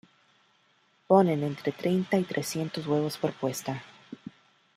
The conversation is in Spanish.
Ponen entre treinta y trescientos huevos por puesta.